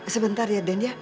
sebentar ya den ya